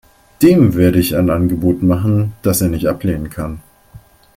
Dem werde ich ein Angebot machen, das er nicht ablehnen kann.